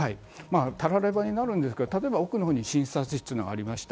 たらればになるんですけど、奥に診察室がありました。